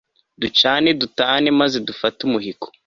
ducane dutane maze dufate umuhigo